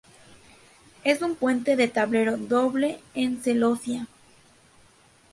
Es un puente de tablero doble en celosía.